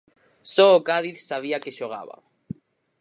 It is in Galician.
Só o Cádiz sabía a que xogaba.